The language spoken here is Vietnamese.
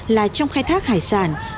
là trong khai thác hải sản